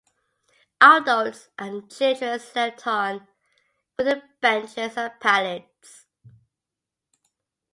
Adults and children slept on wooden benches and pallets.